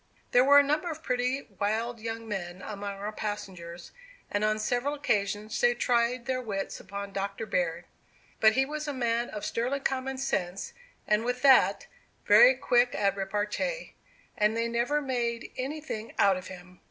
There were a number of pretty wild young men among our passengers, and on several occasions they tried their wits upon Dr. Baird. But he was a man of sterling common sense, and with that, very quick at repartee; and they never made anything out of him.